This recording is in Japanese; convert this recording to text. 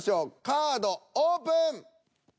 カードオープン！